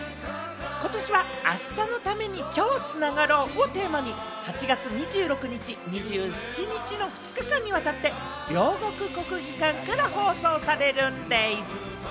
今年は「明日のために、今日つながろう。」をテーマに８月２６日・２７日の２日間にわたって、両国・国技館から放送されるんでぃす！